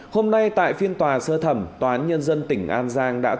hôm nay tại phiên tòa sơ thẩm tòa án nhân dân tỉnh an giang